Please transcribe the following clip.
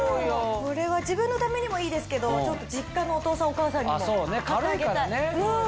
これは自分のためにもいいですけど実家のお父さんお母さんにも買ってあげたい。